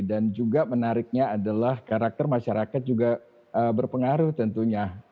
dan juga menariknya adalah karakter masyarakat juga berpengaruh tentunya